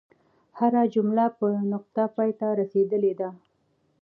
هره جمله په نقطه پای ته رسیدلې ده.